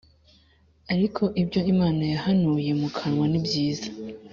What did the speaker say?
Ariko ibyo Imana yahanuriye mu kanwa nibyiza